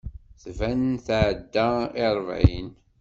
Tban tɛedda i ṛebɛin.